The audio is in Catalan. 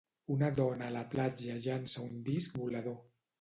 Una dona a la platja llança un disc volador.